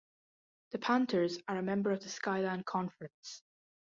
The Panthers are a member of the Skyline Conference.